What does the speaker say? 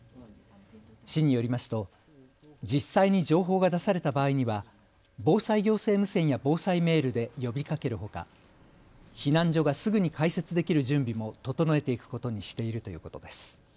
市によりますと実際に情報が出された場合には防災行政無線や防災メールで呼びかけるほか避難所がすぐに開設できる準備も整えていくことにしているということです。